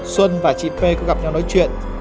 xuân và chị p có gặp nhau nói chuyện